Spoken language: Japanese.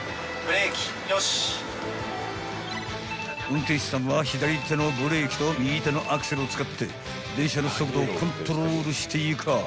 ［運転士さんは左手のブレーキと右手のアクセルを使って電車の速度をコントロールしてゆかぁ］